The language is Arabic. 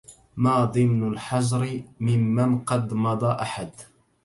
ما ضمن الحجر ممن قد مضى أحد